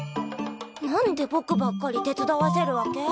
何でぼくばっかり手伝わせるわけ？